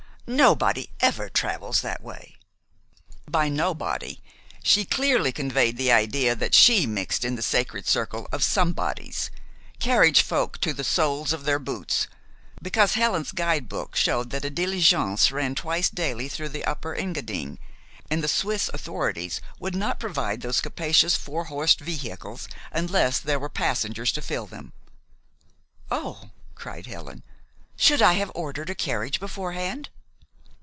Nobody ever travels that way." By "nobody," she clearly conveyed the idea that she mixed in the sacred circle of "somebodies," carriage folk to the soles of their boots, because Helen's guidebook showed that a diligence ran twice daily through the Upper Engadine, and the Swiss authorities would not provide those capacious four horsed vehicles unless there were passengers to fill them. "Oh!" cried Helen. "Should I have ordered a carriage beforehand?"